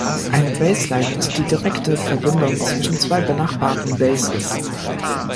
Eine "Baseline" ist die direkte Verbindung zwischen zwei benachbarten Bases.